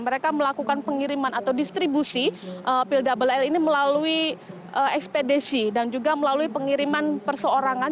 mereka melakukan pengiriman atau distribusi pil double l ini melalui ekspedisi dan juga melalui pengiriman perseorangan